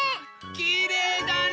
きれいだね！